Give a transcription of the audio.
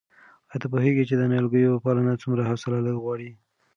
آیا ته پوهېږې چې د نیالګیو پالنه څومره حوصله غواړي؟